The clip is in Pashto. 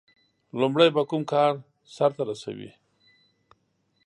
• لومړی به کوم کار سر ته رسوي؟